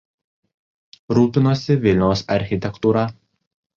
Rūpinosi Vilniaus architektūra.